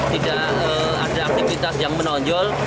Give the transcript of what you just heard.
gunung semeru tidak ada aktivitas yang menonjol